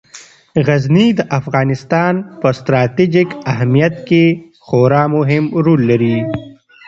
غزني د افغانستان په ستراتیژیک اهمیت کې خورا مهم رول لري.